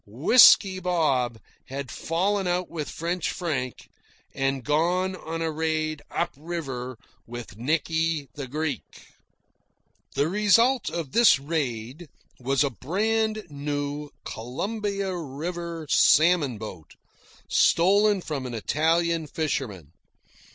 Whisky Bob had fallen out with French Frank and gone on a raid "up river" with Nicky the Greek. The result of this raid was a brand new Columbia River salmon boat, stolen from an Italian fisherman.